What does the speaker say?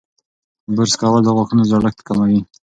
برس کول د غاښونو زړښت کموي.